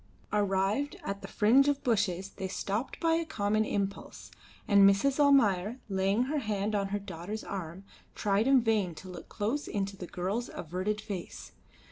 Arrived at the fringe of bushes they stopped by a common impulse, and Mrs. Almayer, laying her hand on her daughter's arm, tried in vain to look close into the girl's averted face.